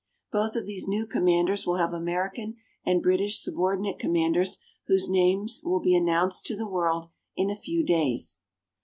Both of these new Commanders will have American and British subordinate Commanders whose names will be announced to the world in a few days.